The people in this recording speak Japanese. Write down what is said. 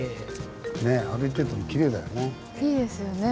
ね歩いててもきれいだよね。